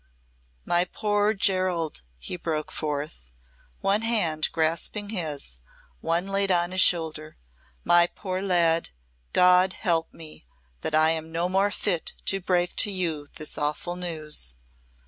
"My poor Gerald," he broke forth, one hand grasping his, one laid on his shoulder. "My poor lad God help me that I am no more fit to break to you this awful news."